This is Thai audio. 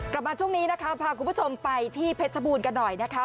กลับมาช่วงนี้นะคะพาคุณผู้ชมไปที่เพชรบูรณ์กันหน่อยนะคะ